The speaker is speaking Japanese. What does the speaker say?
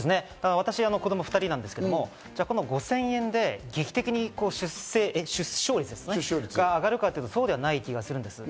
私子供２人なんですけど、５０００円で劇的に出生率が上がるかというと、そうではない気がします。